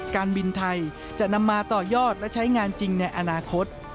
การบินไทยจะนำมาต่อยอดและใช้งานจริงในอนาคต